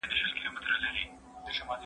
زه اوس د کتابتون کار کوم!